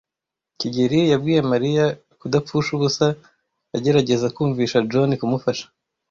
kigeli yabwiye Mariya kudapfusha ubusa agerageza kumvisha John kumufasha.